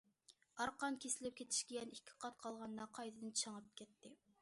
ئارقان كېسىلىپ كېتىشكە يەنە ئىككى قات قالغاندا قايتىدىن چىڭىپ كەتتى.